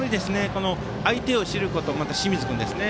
相手を知ることですね。